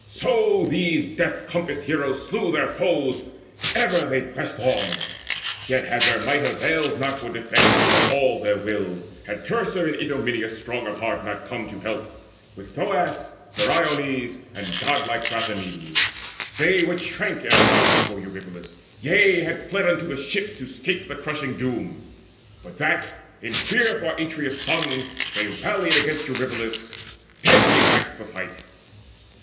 So these death compassed heroes slew their foes Ever as they pressed on. Yet had their might Availed not for defence, for all their will, Had Teucer and Idomeneus strong of heart Come not to help, with Thoas, Meriones, And godlike Thrasymedes, they which shrank Erewhile before Eurypylus yea, had fled Unto the ships to 'scape the crushing doom, But that, in fear for Atreus' sons, they rallied Against Eurypylus: deadly waxed the fight.